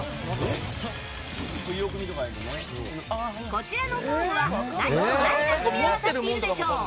こちらのフォームは何と何が組み合わさっているでしょう？